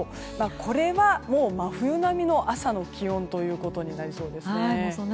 これはもう真冬並みの朝の気温となりそうです。